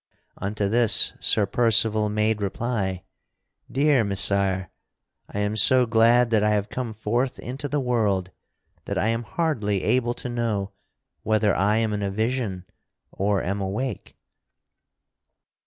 Unto this Sir Percival made reply: "Dear Messire, I am so glad that I have come forth into the world that I am hardly able to know whether I am in a vision or am awake."